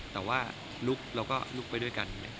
แต่ว่าลุกเราก็ลุกไปด้วยกัน